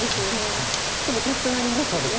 ちょっとギャップがありますよね。